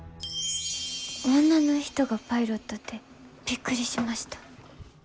女の人がパイロットってびっくりしました。